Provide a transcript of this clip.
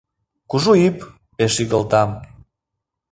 Кужу ӱп! — пеш игылтам.